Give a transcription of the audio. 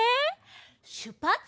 しゅっぱつ。